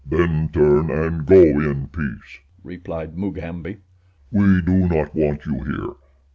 "Then turn and go in peace," replied Mugambi. "We do not want you here.